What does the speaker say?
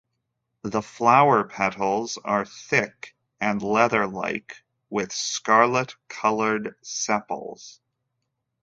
The flower petals are thick and leather-like with scarlet-colored sepals.